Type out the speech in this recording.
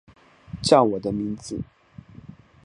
叫我的名字